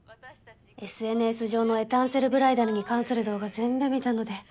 ＳＮＳ上のエタンセルブライダルに関する動画ぜんぶ見たので。